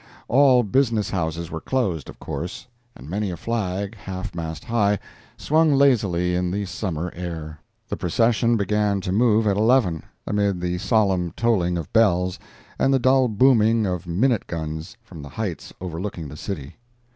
All business houses were closed, of course, and many a flag, half mast high, swung lazily in the Summer air. The procession began to move at eleven, amid the solemn tolling of bells and the dull booming of minute guns from the heights overlooking the city.